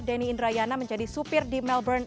denny indrayana menjadi supir di melbourne